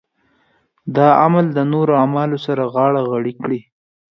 دا عمل د نورو اعمالو سره غاړه غړۍ کړي.